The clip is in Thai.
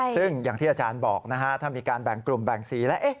ซึ่งอย่างที่อาจารย์บอกนะฮะถ้ามีการแบ่งกลุ่มแบ่งสีแล้ว